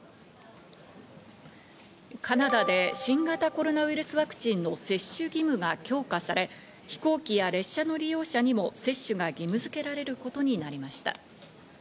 カナダで新型コロナウイルスワクチンの接種義務が強化され、飛行機や列車の利用者にも接種が義務付けられることになりました。